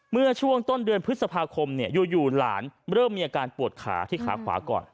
เมื่อช่วงต้นเดือนพฤษภาคมอยู่หลานเริ่มมีอาการปวดขาที่ขาขวาก่อน